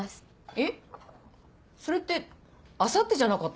えっそれってあさってじゃなかった？